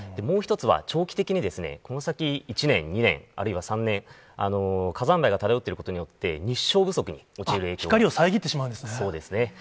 もう１つは、長期的に、この先１年、２年、あるいは３年、火山灰が漂っていることによって、光を遮ってしまうんですね。